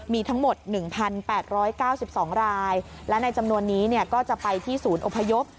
มีทั้งหมด๑๘๙๒รายและในจำนวนนี้ก็จะไปที่ศูนย์อพยพ